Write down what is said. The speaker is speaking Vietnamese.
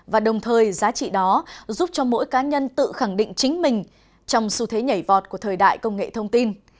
và đồng thời giá trị đó giúp cho mỗi cá nhân tự khẳng định chính mình trong xu thế nhảy vọt của thời đại công nghệ thông tin